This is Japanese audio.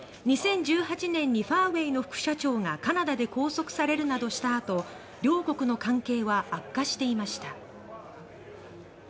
２０１８年にファーウェイの副社長がカナダで拘束されるなどした後両国の関係は悪化していました。